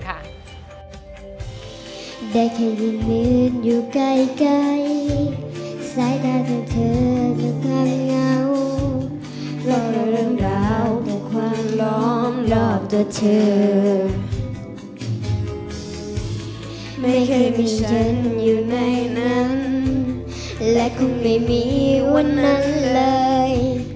ไม่เคยมีฉันอยู่ในนั้นและคงไม่มีวันนั้นเลย